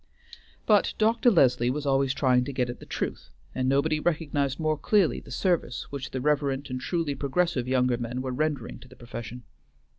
But Dr. Leslie was always trying to get at the truth, and nobody recognized more clearly the service which the reverent and truly progressive younger men were rendering to the profession.